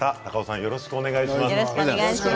よろしくお願いします。